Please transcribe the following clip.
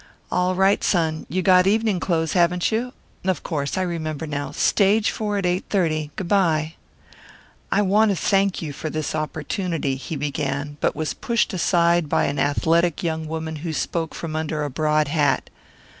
"All right, son. You got evening clothes, haven't you? Of course, I remember now. Stage Four at 8:30. Goo' by." "I want to thank you for this opportunity " he began, but was pushed aside by an athletic young woman who spoke from under a broad hat.